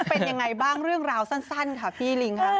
เป็นยังไงบ้างเรื่องราวสั้นค่ะพี่ลิงค่ะ